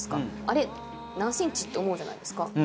あれ何センチ？って思うじゃないですか。